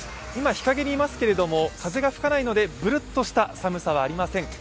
今、日陰にいますけれども風がないのでブルッとした寒さはありません。